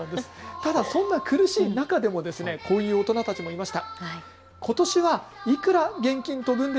ただそんな苦しい中でもこういう大人たちもいました。